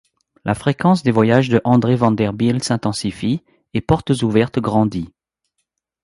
La fréquence des voyages de André van der Bijl s'intensifie, et Portes Ouvertes grandit.